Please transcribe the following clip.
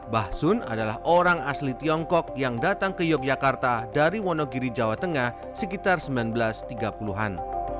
bah sun adalah orang asli tiongkok yang datang ke yogyakarta dari wonogiri jawa tengah sekitar seribu sembilan ratus tiga puluh an